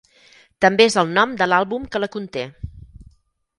També és el nom de l'àlbum que la conté.